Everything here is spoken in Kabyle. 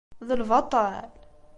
D lbaṭel?